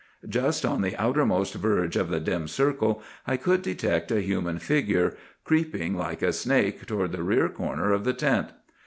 "Just on the outermost verge of the dim circle, I could detect a human figure, creeping like a snake toward the rear corner of the tent.